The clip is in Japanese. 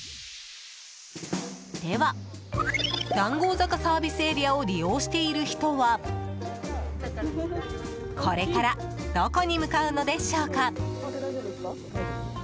では、談合坂ＳＡを利用している人はこれからどこに向かうのでしょうか。